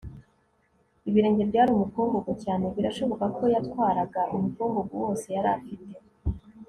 ibirenge byari umukungugu cyane, birashoboka ko yatwaraga umukungugu wose yari afite